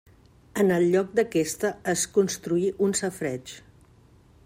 En el lloc d'aquesta es construí un safareig.